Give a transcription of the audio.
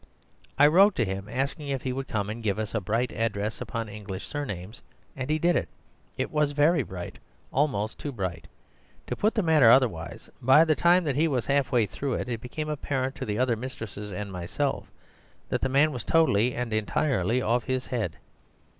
I wrote to him, asking if he would come and give us a bright address upon English surnames; and he did. It was very bright, almost too bright. To put the matter otherwise, by the time that he was halfway through it became apparent to the other mistresses and myself that the man was totally and entirely off his head.